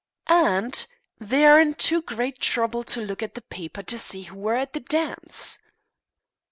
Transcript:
"Aunt, they are in too great trouble to look at the paper to see who were at the dance."